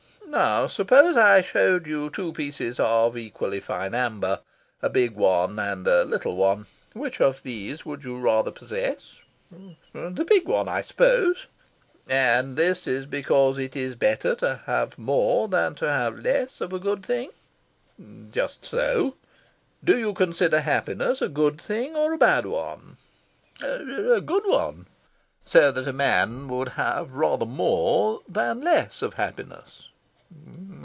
"Now, suppose I showed you two pieces of equally fine amber a big one and a little one. Which of these would you rather possess?" "The big one, I suppose." "And this because it is better to have more than to have less of a good thing?" "Just so." "Do you consider happiness a good thing or a bad one?" "A good one." "So that a man would rather have more than less of happiness?"